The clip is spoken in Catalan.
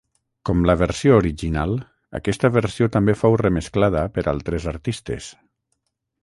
Com la versió original, aquesta versió també fou remesclada per altres artistes.